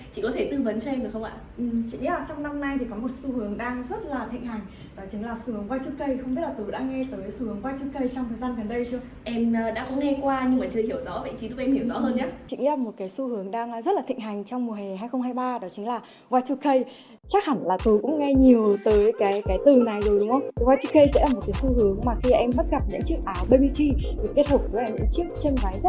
chiếc hộp cường mặc ác của các bạn bạn thì cũng sẽ biết ngay